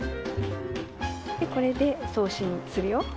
でこれで送信するよ？